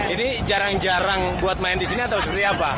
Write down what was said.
ini jarang jarang buat main di sini atau seperti apa